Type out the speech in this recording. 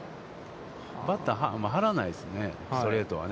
バッターは張らないですね、ストレートはね。